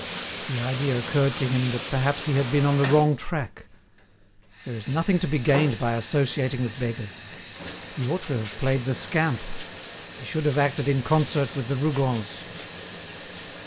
The idea occurred to him that perhaps he had been on the wrong track. There is nothing to be gained by associating with beggars. He ought to have played the scamp; he should have acted in concert with the Rougons.